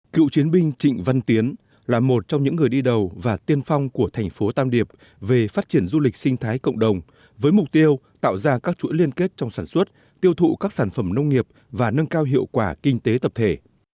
cựu chiến binh trịnh văn tiến là một trong những người đi đầu và tiên phong của thành phố tam điệp về phát triển du lịch sinh thái cộng đồng với mục tiêu tạo ra các chuỗi liên kết trong sản xuất tiêu thụ các sản phẩm nông nghiệp và nâng cao hiệu quả kinh tế tập thể